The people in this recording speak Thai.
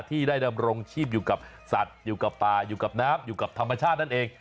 ที่ได้ดำรงชีพอยู่กับสัตว์อยู่กับป่าอยู่กับน้ำอยู่กับธรรมชาตินั่นเอง